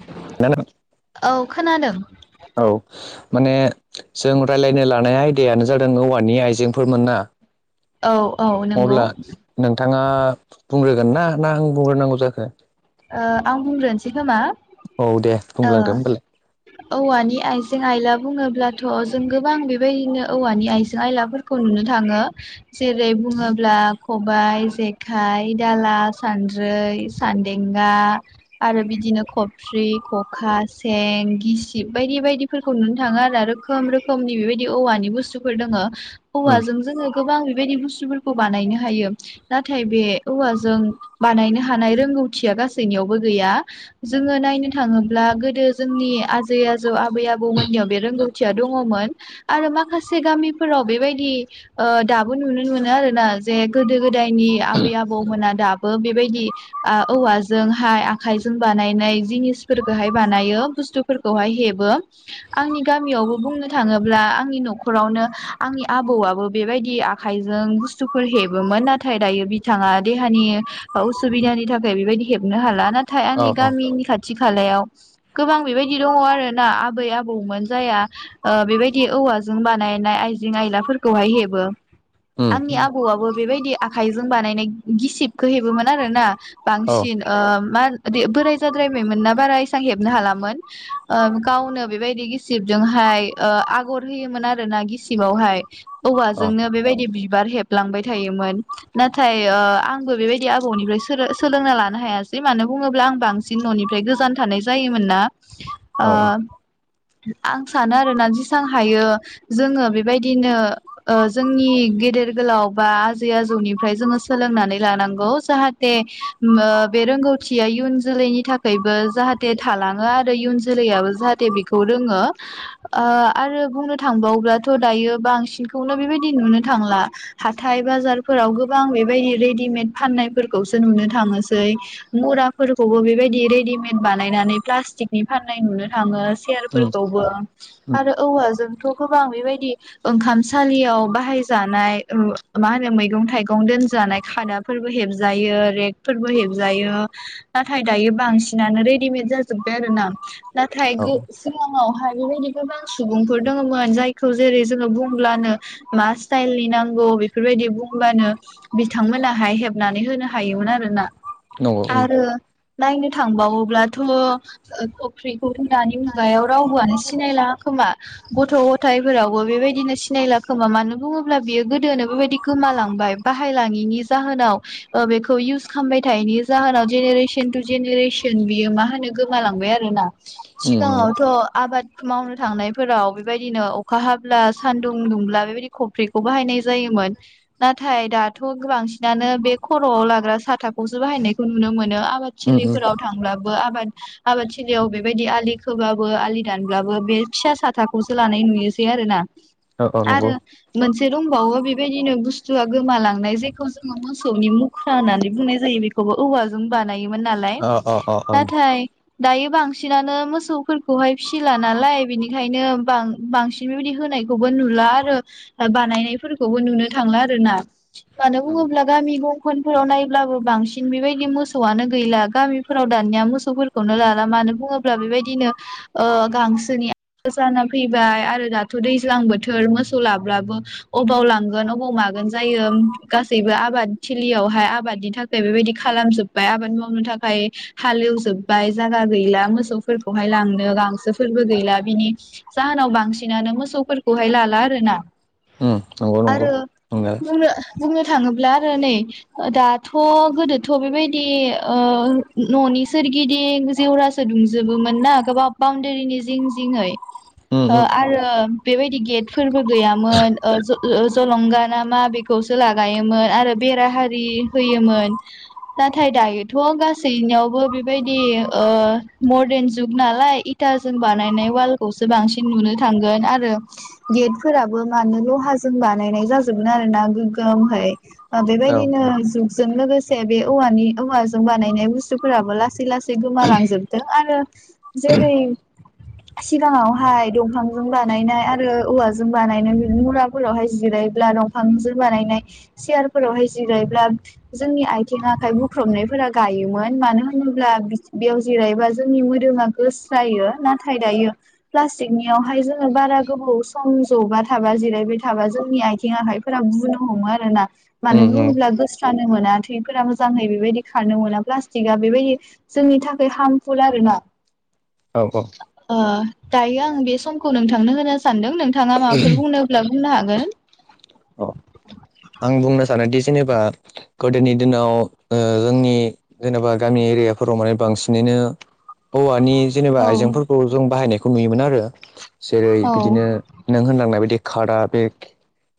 [inaudible] औ खोनादों। माने जों रायजलायनो लानाय आयदायानो जादों औवानि आइजेंफोर मोनना। औ औ नंगौ अब्ला नोंथाङा। बुंग्रोगोन ना, ना आं बुंग्रोनांगौ जाखो? आं बुंग्रोनोसै खोमा। औ दे ओ बुंलांदो होमबालाय औवानि आइजें-आइला बुङोब्लाथ' जों गोबां बेबायदिनो औवानि आइजें आयलाफोरखौ नुनो थाङो। जेरै- बुङोब्ला खबाइ-जेखाइ, दाला, सानद्रै, सान देंगा आरो बिदिनो खफ्रि, खखा, सेन, गिसिब बायदि बायदि फोरखौ नुनो थाङो आरो रोखोम रोखोमनि बेबायदि औवानि बुस्थुफोर दोङो। उम औवाजों जोङो गोबां। बेफोरबायदि बुसथुफोरखौ बानायनो हायो। नाथाय बे औवाजों बानायनो हानाय रों गौथिया गासैनियावबो गैया। जोङो नायनो थाङोब्ला गोदो। जोंनि आजै-आजौ, आबै-आबौमोननियाव बे रोंगौ थिया दङमोन आरो माखासे गामिफोराव बेबायदि दाबो नुनो मोनो आरोना। जे गोदो-गोदायनि आबै-आबौमोना दाबो बेबायदि। औवाजोंहाय आखाइजों बानायनाय जिनिसफोरखौहाय बानायो बुस्थुफोरखौहाय हेबो। आंनि गामियावबो बुंनो थाङोब्ला आंनि न'खरावनो आंनि आबौआबो बेबायदि आखाइजों बुस्थुफोर हेबोमोन, नाथाय दायो बिथाङा देहानि असुबिदानि थाखाय। थाखाय बेबायदि हेबनो हाला। नाथाय औ आंनि औ गामिनि खाथि खालायाव गोबां बेबायदि दङ आरोना आबै- आबौमोन जाया बेबायदि औवा जों बानायनाय आइजेंं-आइलाफोरखौहाय हेबो। उम आंनि आबौआबो बेबायदि आखाइजों बानायनाय गिसिबखौ हेबोमोन आरोना। औ बांसिन ओ मा। दे बोराय जाद्रायबायमोन ना बारा एसेबां हेबनो हालामोन गावनो बेबायदि गिसिबजोंहाय। आगर होयोमोन आरोना गिसिबावहाय औ औवाजोंनो बेबायदि। बिबार हेबलांबाय थायोमोन नाथाय आंबो बेबायदि आबौनिफ्राय सोर सोलोंना लानो हायासै मानो बुङोब्ला आं बांसिन न'निफ्राय गोजान थानाय जायोमोन ना। औ ओ। आं सानो आरोना जेसां हायो जोङो बेबायदिनो ओ जोंनि गेदेर गोलाव बा आजै आजौनिफ्राय जोङो सोलोंनानै लानांगौ जाहाथे बे रोंगौथिया इयुन जोलैनि थाखायबो जाहाथे थालाङो आरो इयुन जोलैयाबो जाहाथे जाथे बेखौ रोङो आरो बुंनो थांबावब्लाथ' दायो बांसिनखौनो बेबायदिनो- नुनो थांला हाथाइ बाजारफोराव गोबां बेबायदि रेडिमेड फान्नायफोरखौसो नुनो थाङोसै मराफोरखौबो बेबायदि रेडिमेद बानायनानै प्लास्टिकनि फाननाय नुनो थाङो ओ उम सियारफोरखौबो उम आरो औवा जोंथ' गोबां बेबायदि ओंखामसालियाव बाहायजानाय मा होनो मैगं थाइगं दोनजानाय खादाफोरबो हेबजायो रेक फोरबो हेबजायो नाथाय दायो बांसिनानो रेडिमेड जाजोब्बाय आरो ना। नाथाय औ उनावहाय बेबायदि गोबां सुबुंफोर दङमोन जायखौ जेरै जोङो बुंब्लानो मा स्टाइलनि नांगौ बेफोरबायदि बुंबानो बिथांमोनाहाय हेबनानै होनो हायोमोन आरो आरोना नंगौ ओं। नायनो थांबावोब्लाथ' फुख्रिखौ दानि मुगायाव रावबोआनो सिनायला खो मा। गथ' गथायफोरावबो बेबायदिनो सिनायला खोमा मानो बुङोब्ला बियो गोदोनो बेबायदि गोमा लांबाय। बाहायलांयिनि जाहोनाव ओ बेखौ इउस खालामबाय थायिनि जाहोनाव जेनेरेसन टु जेनेरेसन बियो मा होनो गोमालांबाय आरोना। उम नंगौ सिगाङावथ' आबाद मावनो थांनायफोराव बेबायदिनो अखा हाब्ला सानदुं दुंब्ला बेबायदि खफ्रिखौ बाहायनाय जायोमोन। नाथाइ दाथ' बांसिनानो बे खर' आव लाग्रा साथा खौसो बाहायनायखौ नुनो मोनो आबाद उम थिलिफोराव थांब्लाबो आबाद आबादथिलियाव बेबायदि आलि खोबाबो आलि दानब्लाबो बे फिसा साथाखौसो लानाय नुयोसै आरोना। औ औ आरो नंगौ मोनसे दंबावो बेबायदिनो बुस्थुआ गोमालांनाय जेखौ जोङो मोसौनि मुख्रा होननानै बुंनाय जायो बेखौबो औवाजों बानायोमोन नालाय। अ अ अ औ नाथाय दायो बांसिनानो मोसौफोरखौहाय फिसिला नालाय बिनिखायनो बां-बांसिन बेबायदि होना यखौबो नुला आरो दा बानायनायफोरखौबो नुनो थांला आरोना। मानो उम बुङोब्ला गामि गंखनफोराव नायब्लाबो बांसिन बेबायदि मोसौआनो गैला गामिफोराव दानिया मोसौफोरखौनो लाला मानो बुङोब्ला बेबायदिनो ओ गांसोनि जाना फैबाय आरो दाथ' दैज्लां बोथोर मोसौ लाब्लाबो अबाव लांगोन अबाव मा गोन जायो। गासैबो आबाद थिलियावहाय आबादनि थाखाय बाय बेबायदि खालामजोबबाय आबाद मावनो थाखाय हालेवजोबबाय जायगा गैला मोसौफोरखौहाय लांनो गांसोफोरबो गैला बिनि जाहोनाव बांसिनानो मोसौफोरखौहाय लाला आरोना। उम। आरो बुंनो बुंनो थाङोब्ला आरो नै दा थ' गोदोथ' बेबायदि ओ न'नि सोरगिदिं जेवरासो दुमजोबोमोन। ना गोबां बाउनडारिनि जिं जिंयै। उम ओ उम आरो बेबायदि गेटफोरबो गैयामोन। ज-ज-जलंगा ना मा बेखौ सो लागायोमोन आरो बेरा हारि होयोमोन। नाथाय दायोथ' गासैनियावबो बेबायदि ओ मडा रन जुग नालाय इटा जों बानायनाय वालखौसो बांसिन नुनो थांगोन आरो‌। गेट फोराबो मानो लहाजों बानायनाय जाजोबगोन आरोना गोगोमहै। ओ बेबायदिनो औ जुग जों लोगोसे बे औवानि औवाजों बानायनाय बुस्थुफोराबो लासै लासै गोमालांजोबदों आरो। जेरै सिगाङावहाय दंफांजों बानायनाय आरो औवाजों बानायनाय बि मुराफोरावहाय जिराय ब्ला दंफांजों बानायनाय सियार फोरावहाय जिरायब्ला जोंनि आथिं आखाइ बुख्रबनायफोरा गायोमोन मानो होनोब्ला बेयाव जिरायबा जोंनि मोदो मा गेस जायो नाथाय दायो फ्लासथिक नियावहाय जोङो बारा गोबाव सम जबाय थाबा जिरायबाय थाबा जोंनि आथिं आखाइफोरा बुनो हमो आरोना। मानो उम उम बुङोब्ला गोस्रानो मोना थैफोरा मोजाङै बेबायदि खारनो मोना प्लास्टिकआ बेबायदि जोंनि थाखाय हार्मफुल आरोना। [inaudible] औ ओ दायो आं बे समखौ नोंथांनो होनो सानदों नों थाङा माबाफोर बुंनोब्ला बुंनो हागोन। औ आं बुंनो सानोदि जेनेबा गोदोनि दिनाव ओ जोंनि जेनेबा गामि एरियाफो राव माने बांसिनैनो औवानि जेनेबा औ आइजेंफोरखौ जों बाहायनायखौ नुयोमोन आरो। जेरै औ बिदिनो नों होनलांनाय बायदि खादा बे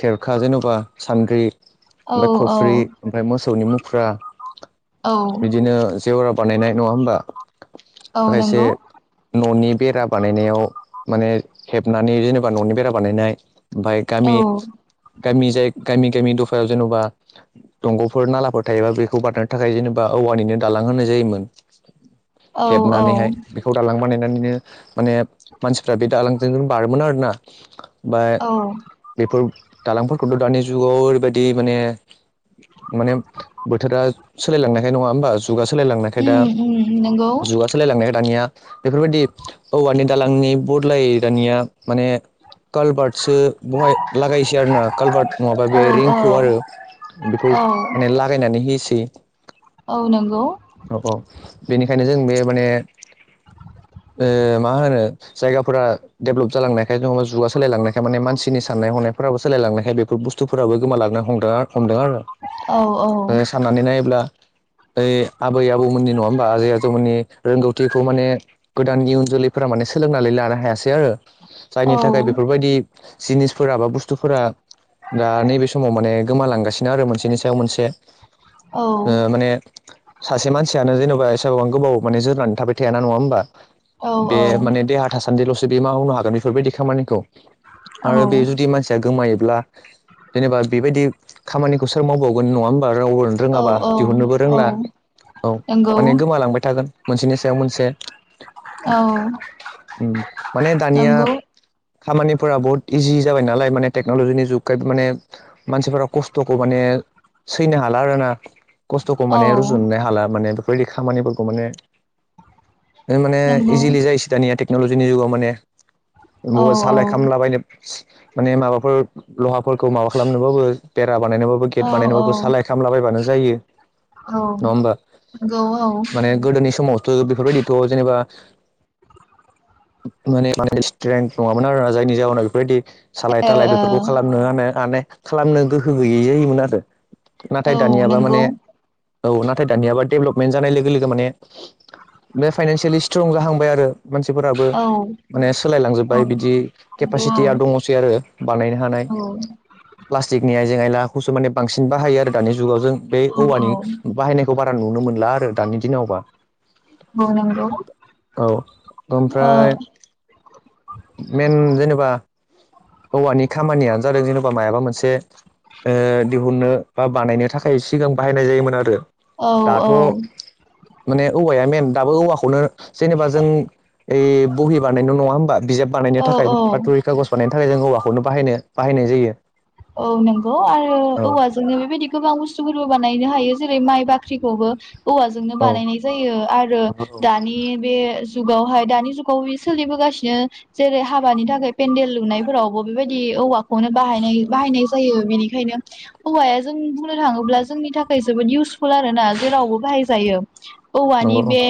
खेरखा जेन'बा सान्द्रि औ ओमफ्राय खफ्रि औ ओमफ्राय मोसौनि मुख्रा औ बिदिनो जेवरा बानायनाय। नङा होमबा? औ माखासे नंगौ न'नि बेरा बानायनायाव माने हेबनानै जेनेबा न'नि बेरा बानायनाय ओमफाय औ गामि गामि जाय गामि गामि दफायाव जेन'बा दंग'फोर नालाफोर थायोबा बेखौ बारनो थाखाय जेनेबा औवानिनो दालां होनाय जायोमोन। औ औ हेबनानैहाय बेखौ दालां बानायनानै नो माने मानसिफ्रा बे दालांजों बारोमोन आरोना। बा औ बेफोर दालांफोरखौथ' दानि जुगाव ओरैबायदि माने माने बोथोरा सोलायलांनायखाय नङा होमबा! जुगा सोलायलांनायखाय दा उम उम नंगौ जुगा सोलायलांनायखाय दानिया बेफोरबायदि औवानि दालांनि बद्लायै दानिया माने कालभार्टसो बहाय लागायसै आरो ना कालभार्ट नङाबा औ बे औ रिंखौ आरो बेखौ औ माने लागायनानै होयोसै। औ नंगौ। औ औ बेनिखायनो जों बे माने ओ मा होनो जायगाफोरा डेभेलप जालांनायखाय नङाबा जुगा सोलायलांनायखाय माने मानसिनि साननाय हनाय फोराबो सोलायलांनायखाय बेफोर बुस्थुफोराबो गोमालांनो हमदों हमदों आरो। औ औ ओ साननानै नायोब्ला बै आबै आबौमोननि नङा होमबा आबजै आजौमोननि रोंगौथिखौ माने गोदाननि इयुन जोलैफोरा माने सोलोंनानै लानो हायासै आरो। जायनि औ थाखाय बेफोरबायदि जिनिसफोरा बा बुस्थुफोरा दा नैबे समाव माने गोमालांगासि नो आरो मोनसेनि सायाव मोनसे। औ ओ माने सासे मानसियानो जेन'बा गोबां गोबाव माने जोरनानै थाबाय थाया ना नङा होमबा? औ बे माने देहा थासान्दिल' सो बे मावनो हागोन बेफोरबादि खामानिखौ। आरो बे औ जुदि मानसिया गोमायो जेनेबा बेबायदि खामानिखौ सोर मावबावगोन नङा होम बा रावबो आनो रोङाबा औ दिहुननोबो औ रोंला। औ नंगौ माने गोमालांबाय थागोन मोनसेनि सायाव मोनसे। औ उम माने दानिया नंगौ खामानिफोरा बहुत इजि जाबाय नाल माने टक्नलजिनि जुग खाय माने मानसिफोरा खस्थ'खौ माने सैनो हाला आरोना। खस्थ'खौ औ माने रुजुननोनो हाला माने बेफोरबायदि खामानिफोरखौ माने माने नंगौ इजिलि जायोसै दानिया टेक्नलजिनि जुगाव माने औ बबेबा औ सालाय खामलाबायनाय माने माबाफोर लहाफोरखौ माबा खालामनोबाबो बेरा बानायनोबाबो गेट औ औ बानायनोबाबो सालाय खालामला बायबानो जायो। औ नङा होमबा! नंगौ औ माने गोदोनि समावथ' बेफोरबायदिथ' जेनेबा माने [unintelligible] स्ट्रेन्थ नङामोन आरोना जायनि जाहोनाव बेफोरबायदि औ औ। मा होनो माने खालामनो गोहो गैयै जायोमोन आरो। नाथाय औ दानियाबा नंगौ माने औ नाथाय दानियाबा डेभलपमेन्ट जानाय लोगो लोगो माने बे फाइनानसियेलि स्ट्रं जाहांबाय आरो। मानसिफोराबो औ माने औ सोलायलांजोब्बाय बिदि नंगौ औ केपासिटिया दङसै आरो बानायनो। हानाय प्लास्टिकनि आइजें आयलाखौसो माने बांसिन बाहायो आरो दानि जुगाव जों बे औ औ औवानि बाहायनायखौ बारा नुनो मोनला आरो दानि दिनावबा औ नंगौ औ औ आमफ्राय मेन जेनेबा हौवानि खामानियानो जादों जेन'बा मायाबा मोनसे ओ दिहुननो बा बानायनो थाखाय सो सिगां बाहायनाय जायोमोन आरो औ दाथ' औ माने औवाया मेन दाबो औवाखौनो जेनेबा जों ओइ बहि बानायल' नङा होमबा बिजाब बानायनो औ थाखाय औ बा थुरि खागज बानायनो थाखाय जों हौवाखौनो बाहायनो बाहायनाय जायो औ नंगौ आरो औ औवाजोंनो बेबायदि गोबां बुस्थुफोरबो बानाय नो हायो जेरै माइ बाख्रिखौबो औवाजोंनो औ बानायनाय जायो आरो दानि बे जुगावहाय दानि जुगावयो सोलिबोगासिनो जेरै हाबानि थाखाय पेन्देल लुनायफोरावबो बेबायदि औवाखौनो बाहायनाय बाहायनाय जायो बेनिखायनो हौवाया जों बुंनो थाङोब्ला जोंनि थाखाय जोबोद इउसफुल आरो ना जे रावबो बाहायजायो औवानि नंगौ बे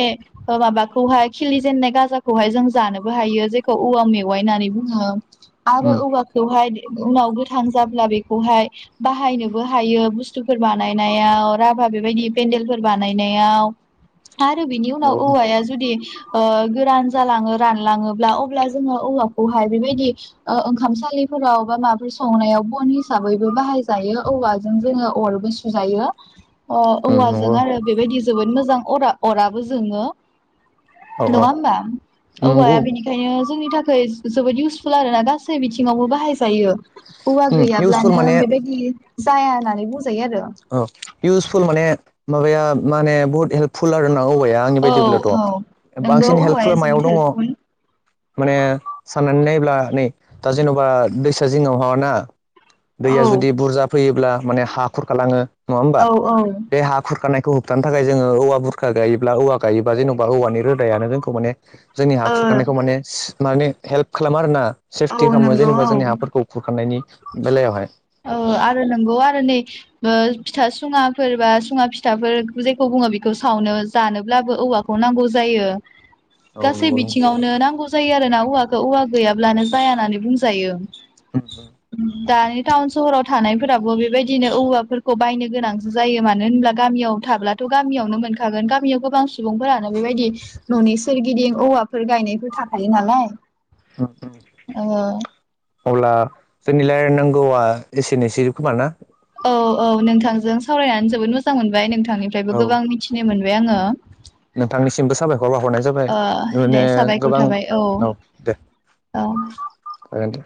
ओ माबाखौहाय खिलि जेननाय गाजाखौहाय जों जानोबो हायो जेखौ औवा मेवाइ होननानै बुङो आरो नंगौ औवाखौहाय उनाव गोथ थांजाब्ला बेखौहाय बाहायनोबो हायो बुस्थुफोर बानायनायाव राभा बेबायदि हेनदेलफोर बानायनायाव [inaudible] आरो बिनि उनाव नंगौ औवाया जुदि ओ गोरान जालाङो रानलाङोब्ला अब्ला जोङो औवाखौहाय बेबायदि ओ ओंखामसालि फोराव मा [unintelligible] संनायाव बन हिसाबैबो बाहायजायो औवाजों जोङो अरबो सुजायो अ औवाजों नंगौ आरो बेबायदि जोबोद मोजां अरा अराबो जोङो औ नङा औ होमबा औवाया नंगौ बेनिखायनो जोंनि थाखाय जोबोद इउसफुल आरोना गासै बिथिङावबो बाहायजायो औवा उम इउसफुल गैयाब्लानो आं माने बेबायदि जाया होननानै बुंजा औ इउसफुल माने माबाया माने बुहुत हेल्पफुल आरोना औवाया आंनि औ औ बायदिबोब्लाथ' नोंगौ बांसिन औवाया हेल्पफुला जोबोद मायाव दङ हेल्पफुल माने साननानै नायोब्ला नै दा जेन'बा दैसा जिङावहा ना दैया औ जुदि बुरजा फैयोब्ला माने हा खुरखालाङो नङा होमबा औ औ बे हा खुरखानाय खौ होबथानो थाखाय जोङो औवा बुरखा गायोब्ला औवा गायोबा जेन'बा औवानि रोदायानो जोंखौ माने जोंनि हा ओ खुरखानायखौ माने माने हेल्प खालामो आरोना औ सेफटि खालामो नंगौ जेनेबा जोंनि हाफोरखौ खुरखांनायनि [inaudible] औ आरो नंगौ आरो नै ओ फिथा सुङाफोर बा सुङा फिथाफोर जेखौ बुङो बेखौ सावनो जानोब्ला औवाखौनो नांगौ जायो औ गासै नंगौ नंगौ बिथिङावनो नांगौ जायो आरोना औवखौ औवा गैयाब्लानो जाया होननानै बुंजायो [inaudible] दानि टाउन सहराव थानायफोराबो बेबायदिनो औवाफोरखौ बायनो गोनांसो जायो मानो होनब्ला गामि मियाव थाब्लाथ' गामियावनो मोनखागोन गामियाव गोबां सुबुंफोरानो बेबायदि न'नि सोरगिदिं औवा फोर गायनायफोर थाखायो नालाय ओ अब्ला जोंनि लायरायनांगौआ एसेनोसै खोमा ना? औ औ नोंथांजों सावरायनानै जोबोद मोजां मोनबाय औ नोंथांनिफ्रायबो गोबां मिथिनो मोनबाय आङो नोंथांनिसिमबो साबायखर बावाहरनाय जाबाय ओ माने दे साबायखर गोबां थाबाय औ दे औ ओ दे